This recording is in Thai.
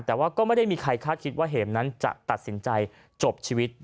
แต่ว่าก็ไม่ได้มีใครคาดคิดว่าเห็มนั้นจะตัดสินใจจบชีวิต